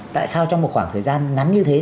tại sao trong một khoảng thời gian ngắn như thế